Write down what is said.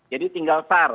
jadi tinggal s a r